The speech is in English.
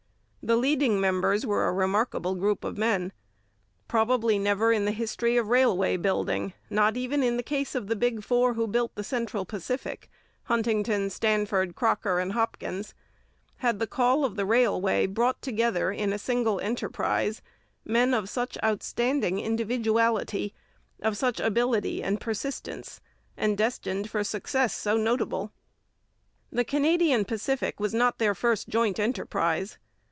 The leading members were a remarkable group of men. Probably never in the history of railway building, not even in the case of the 'Big Four' who built the Central Pacific Huntingdon, Stanford, Crocker, and Hopkins had the call of the railway brought together in a single enterprise men of such outstanding individuality, of such ability and persistence, and destined for success so notable. The Canadian Pacific was not their first joint enterprise.